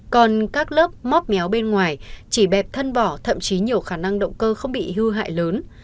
còn các lớp móc méo bên ngoài chỉ bẹp thân bỏ thậm chí nhiều khả năng động cơ không bị hư hại lớn